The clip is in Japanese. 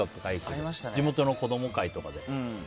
地元の子ども会とかで。